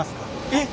えっ！